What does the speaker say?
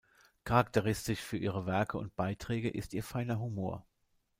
Charakteristisch für ihre Werke und Beiträge ist ihr feiner Humor.